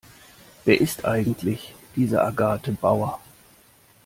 Wer ist eigentlich diese Agathe Bauer?